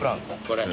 これ。